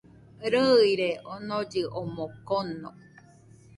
Rɨire onollɨ omɨ kono